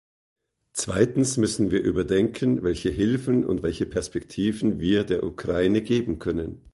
Zweitens müssen wir überdenken, welche Hilfen und welche Perspektiven wir der Ukraine geben können.